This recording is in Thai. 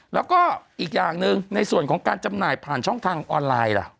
แล้วก็อีกอย่างหนึ่งในส่วนของการจำหน่ายผ่านช่องทางออนไลน์ล่ะ